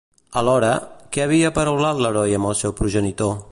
Alhora, què havia aparaulat l'heroi amb el seu progenitor?